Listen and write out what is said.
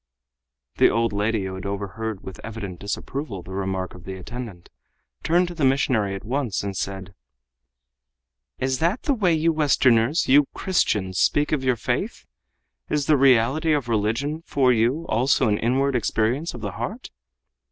The old lady, who had overheard with evident disapproval the remark of the attendant, turned to the missionary at once and said, "Is that the way you Westerners, you Christians, speak of your faith? Is the reality of religion for you also an inward experience of the heart?"